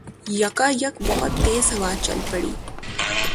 یکایک بہت تیز ہوا چل پڑی